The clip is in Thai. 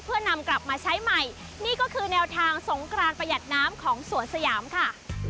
เพื่อนำกลับมาใช้ใหม่นี่ก็คือแนวทางสงกรานประหยัดน้ำของสวนสยามค่ะ